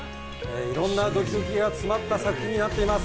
いろんなドキドキが詰まった作品になっています。